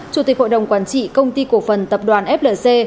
chủ tịch hội đồng quản trị công ty cổ phần tập đoàn flc